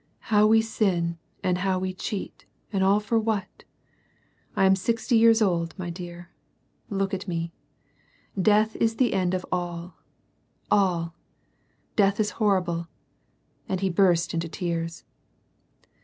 How we sin and how we cheat and all for what ? I am sixty years old, my dear. — Look at me. — Death is the end of all, all ! Death is horri ble !" and he burst into tears.